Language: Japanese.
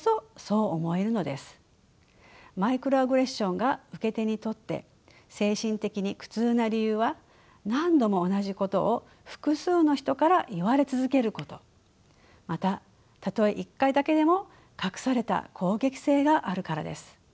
マイクロアグレッションが受け手にとって精神的に苦痛な理由は何度も同じことを複数の人から言われ続けることまたたとえ一回だけでも隠された攻撃性があるからです。